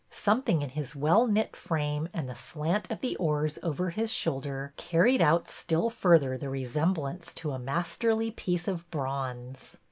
Something in his well knit frame and the slant of the oars over his shoulder carried out still further the resemblance to a masterly piece of bronze.